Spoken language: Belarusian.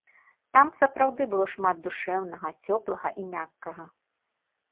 Там сапраўды было шмат душэўнага, цёплага і мяккага.